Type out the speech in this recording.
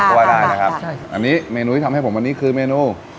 คือว่าได้นะครับอันนี้เมนูที่ทำให้ผมวันนี้คือเมนู